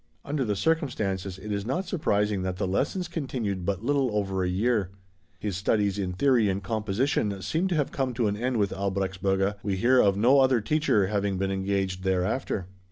Under the circumstances, it is not surprising that the lessons continued but little over a year. His studies in theory and composition seem to have come to an end with Albrechtsberger; we hear of no other teacher having been engaged thereafter.